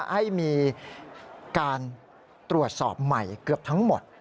ให้มีการตรวจสอบใหม่เกือบทั้งหมด